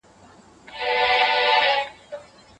ولې د کلیوالو میرمنو لاسي صنایع ډېر ارزښت درلود؟